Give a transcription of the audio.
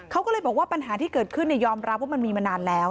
เขาก็เลยบอกว่าปัญหาที่เกิดขึ้นยอมรับว่ามันมีมานานแล้ว